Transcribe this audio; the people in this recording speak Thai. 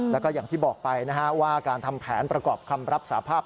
แล้วก็อย่างที่บอกไปนะฮะว่าการทำแผนประกอบคำรับสาภาพ